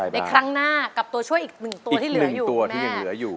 ในครั้งหน้ากับตัวช่วยอีก๑ตัวที่เหลืออยู่